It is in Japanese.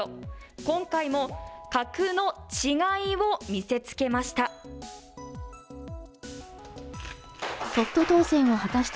今回も格の違いを見せつけました。